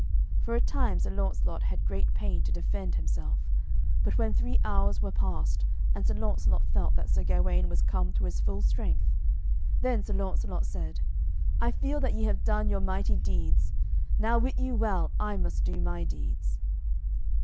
For a time Sir Launcelot had great pain to defend himself, but when three hours were passed, and Sir Launcelot felt that Sir Gawaine was come to his full strength, then Sir Launcelot said, "I feel that ye have done your mighty deeds; now wit you well I must do my deeds."